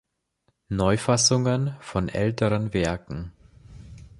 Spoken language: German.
Neufassungen von älteren Werken.